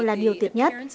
là điều tuyệt nhất